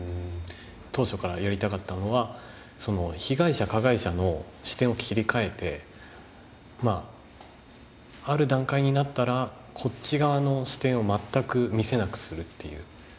当初からやりたかったのは被害者加害者の視点を切り替えてある段階になったらこっち側の視点を全く見せなくするっていう。